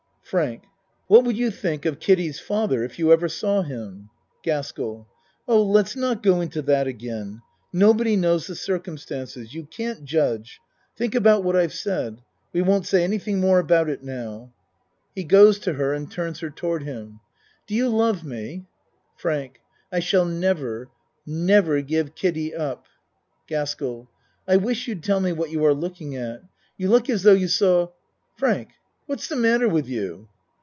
FRANK What would you think of Kiddie's father if you ever saw him? GASKELL Oh, let's not go into that again. No body knows the circumstances. You can't judge. Think about what I've said. We won't say any thing more about it now, (He goes to her and ACT III 101 turns her toward him.) Do you love me? FRANK I shall never never give Kiddie up. GASKELL I wish you'd tell me what you are looking at. You look as though you saw Frank! what's the matter with you?